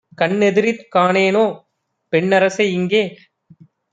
கண்ணெதிரிற் காணேனோ பெண்ணரசை யிங்கே?